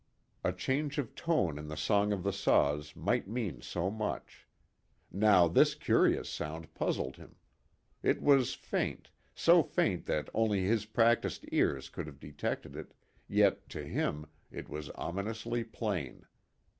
A change of tone in the song of the saws might mean so much. Now this curious sound puzzled him. It was faint, so faint that only his practiced ears could have detected it, yet, to him, it was ominously plain.